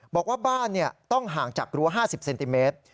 บอกว่าบ้านต้องห่างจากรั้ว๕๐เซนติเมตร